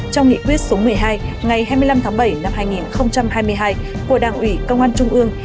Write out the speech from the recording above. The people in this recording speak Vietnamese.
trong nghị quyết số một mươi hai ngày hai mươi năm tháng bảy năm hai nghìn hai mươi hai của đảng ủy công an trung ương